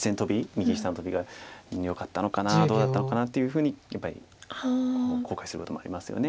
右下のトビがよかったのかなどうだったのかなというふうにやっぱり後悔することもありますよね。